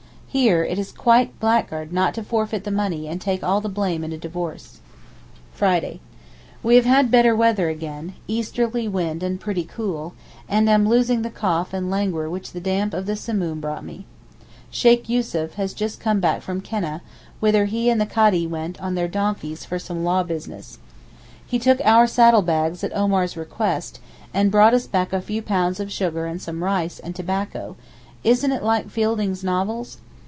Here it is quite blackguard not to forfeit the money and take all the blame in a divorce. Friday.—We have had better weather again, easterly wind and pretty cool, and I am losing the cough and languor which the damp of the Simoom brought me. Sheykh Yussuf has just come back from Keneh, whither he and the Kadee went on their donkeys for some law business. He took our saddle bags at Omar's request, and brought us back a few pounds of sugar and some rice and tobacco (isn't it like Fielding's novels?).